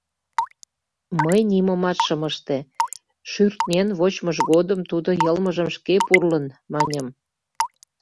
— Мый нимомат шым ыште, шӱртнен вочмыж годым тудо йылмыжым шке пурлын, — маньым.